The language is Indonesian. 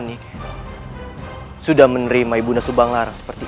itu pula mengarahkan si mengapa dan selangkah yekubah itu